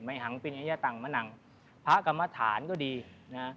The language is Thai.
หังปิญญาตังมะนังพระกรรมฐานก็ดีนะ